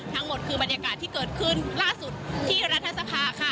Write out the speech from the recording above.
ทั้งหมดคือบรรยากาศที่เกิดขึ้นล่าสุดที่รัฐสภาค่ะ